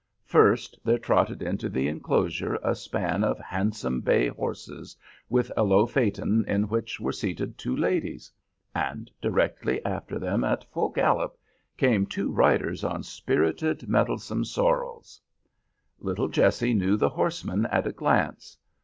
First there trotted into the enclosure a span of handsome bay horses with a low phaeton in which were seated two ladies; and directly after them, at full gallop, came two riders on spirited, mettlesome sorrels. Little Jessie knew the horsemen at a glance.